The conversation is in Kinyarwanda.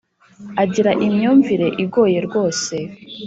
Agira imyumvire igoye rwose